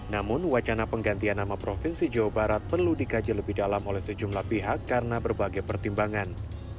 namun wacana penggantian nama provinsi jawa barat perlu dikaji lebih dalam oleh sejumlah pihak karena berbagai pertimbangan